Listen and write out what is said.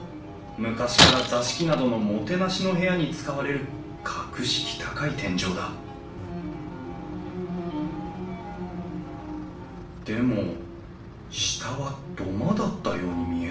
昔から座敷などのもてなしの部屋に使われる格式高い天井だでも下は土間だったように見えるけど。